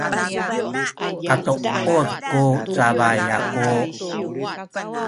katuud ku cabay aku